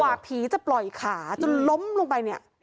กว่าผีจะปล่อยขาจนล้มลงไปนี่